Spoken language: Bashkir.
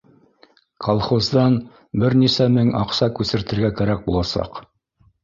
Колхоздан бер нисә мең аҡса күсертергә кәрәк буласаҡ